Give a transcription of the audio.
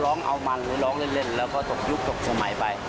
ร้องเอามันหรือร้องเล่นแล้วก็ตกยุคตกสมัยไป